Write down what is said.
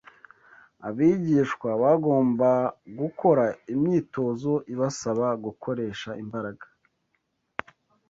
Abigishwa bagomba gukora imyitozo ibasaba gukoresha imbaraga